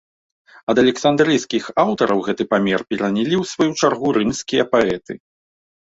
Ад александрыйскіх аўтараў гэты памер перанялі ў сваю чаргу рымскія паэты.